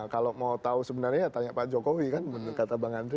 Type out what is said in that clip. kalau mau tahu sebenarnya ya tanya pak jokowi kan menurut kata bang andri